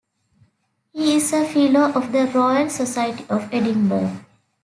He is a fellow of the Royal Society of Edinburgh.